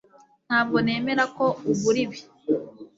Ntabwo nemera ko ugura ibi